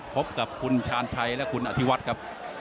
พบกับคุณชาญชัยและคุณอธิวัฒน์ครับ